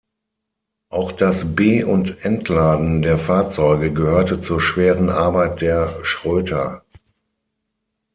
Auch das Be- und Entladen der Fahrzeuge gehörte zur schweren Arbeit der Schröter.